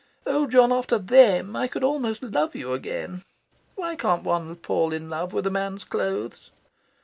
Oh John, after THEM, I could almost love you again. Why can't one fall in love with a man's clothes?